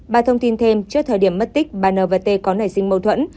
bà thông tin thêm trước thời điểm mất tích bà n và t có nảy sinh mâu thuẫn